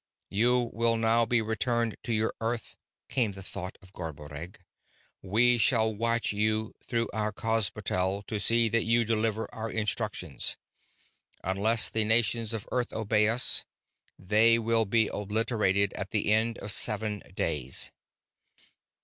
"You will now be returned to your world," came the thought of Garboreggg. "We shall watch you through our cosmotel to see that you deliver our instructions. Unless the nations of Earth obey us, they will be obliterated at the end of seven days."